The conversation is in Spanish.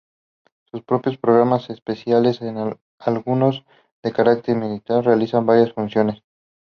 Sus propios programas espaciales, algunos de carácter militar, realizan varias funciones.